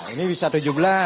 ini bisa tujuh belas